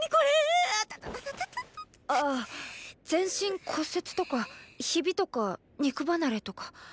あぁ全身骨折とかヒビとか肉離れとか。